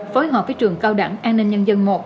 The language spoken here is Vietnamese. phối hợp với trường cao đẳng an ninh nhân dân một